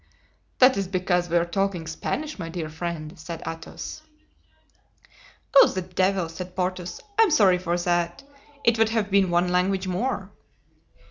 "That is because we are talking Spanish, my dear friend," said Athos. "Oh, the devil!" said Porthos, "I am sorry for that; it would have been one language more."